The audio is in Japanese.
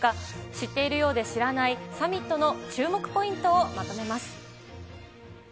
知っているようで知らない、サミットの注目ポイントをまとめます。